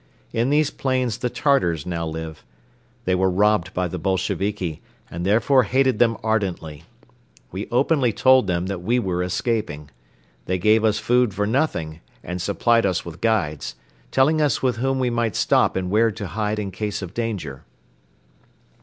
In these plains the Tartars now live. They were robbed by the Bolsheviki and therefore hated them ardently. We openly told them that we were escaping. They gave us food for nothing and supplied us with guides, telling us with whom we might stop and where to hide in case of danger.